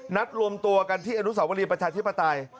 นัดรวมตัวกันที่อนุสาวรีประชาธิปไตย